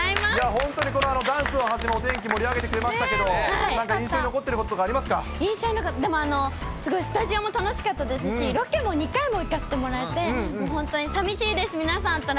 本当にこのダンスをはじめお天気を盛り上げてくれましたけど、何か印象に残ってることとかあり印象に残って、でもすごいスタジオも楽しかったですし、ロケも２回も行かせてもらえて、本当にさみしいです、皆さんと来